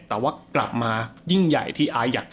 แต่ว่ากลับมายิ่งใหญ่ที่อายัด